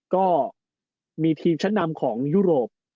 ก็มีทีมชั้นนำของยุโรป